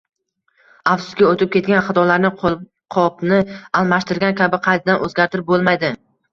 Afsuski, o`tib ketgan xatolarni qo`lqopni almashtirgan kabi qaytadan o`zgartirib bo`lmaydi